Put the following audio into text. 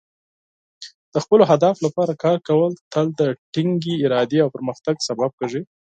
د خپلو اهدافو لپاره کار کول تل د ټینګې ارادې او پرمختګ سبب کیږي.